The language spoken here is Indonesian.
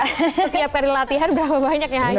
setiap kali latihan berapa banyak ya akhirnya